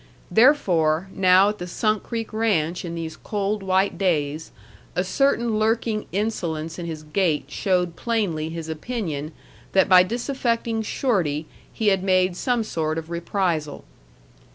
Therefore, now at the Sunk Creek Ranch in these cold white days, a certain lurking insolence in his gait showed plainly his opinion that by disaffecting Shorty he had made some sort of reprisal.